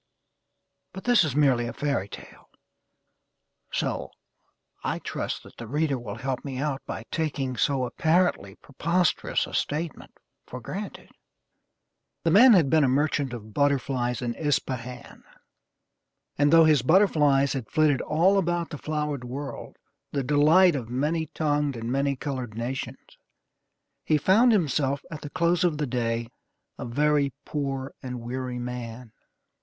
But this is merely a fairy tale; so, I trust that the reader will help me out by taking so apparently preposterous a statement for granted. The man had been a merchant of butterflies in Ispahan, and, though his butterflies had flitted all about the flowered world, the delight of many tongued and many colored nations, he found himself at the close of the day a very poor and weary man.